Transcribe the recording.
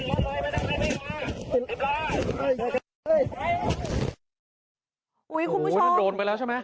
โอ้โหคุณผู้ชม